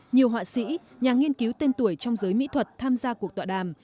nhiều họa sĩ nhà nghiên cứu tên tuổi trong giới mỹ thuật tham gia cuộc tọa đàm